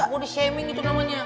mau di shaming itu namanya